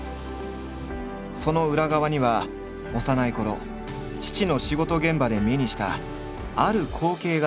その裏側には幼いころ父の仕事現場で目にしたある光景が影響している。